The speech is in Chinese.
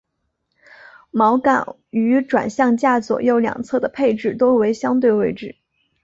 锚杆于转向架左右两侧的配置多为相对位置。